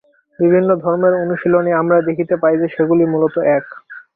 বিভিন্ন ধর্মের অনুশীলনে আমরা দেখিতে পাই যে, সেগুলি মূলত এক।